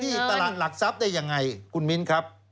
ไปที่ตลาดหลักทรัพย์ได้อย่างไรคุณมิ้นครับ